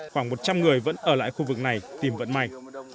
khoảng một trăm linh người vẫn ở lại khu vực này tìm vận may